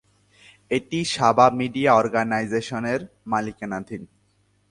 এটি সাবা মিডিয়া অর্গানাইজেশনের মালিকানাধীন।